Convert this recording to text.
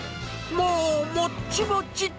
もうもっちもち。